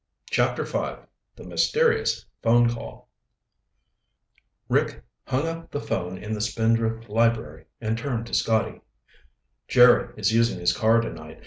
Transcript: CHAPTER V The Mysterious Phone Call Rick hung up the phone in the Spindrift library and turned to Scotty. "Jerry is using his car tonight.